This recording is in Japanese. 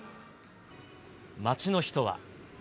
街の人は。